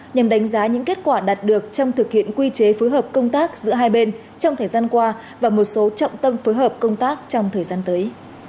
nhằm đánh giá những kết quả đạt được trong thực hiện quy chế phối hợp công tác giữa hai bên trong thời gian qua và một số trọng tâm phối hợp công tác trong thời gian tới